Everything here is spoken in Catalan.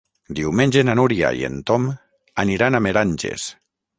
Diumenge na Núria i en Tom aniran a Meranges.